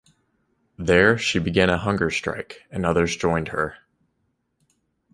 There, she began a hunger strike, and others joined her.